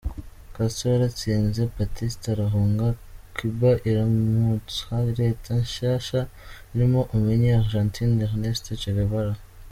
Castro yaratsinze, Batista arahunga, Cuba iramutswa leta nshasha, irimwo umunye Argentine Ernest "che" Guevara.